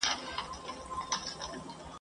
ویدو خلکو پرتو خلکو! ..